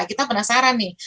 kita penasaran nih